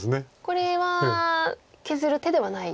これは削る手ではない。